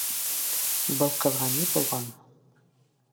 Был ҡыҙға ни булған?